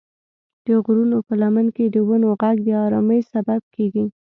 د غرونو په لمن کې د ونو غږ د ارامۍ سبب کېږي.